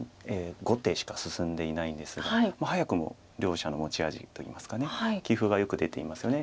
５手しか進んでいないんですが早くも両者の持ち味といいますか棋風がよく出ていますよね。